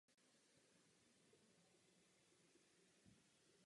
Jednalo se také o úspěšného režiséra rozhlasových her.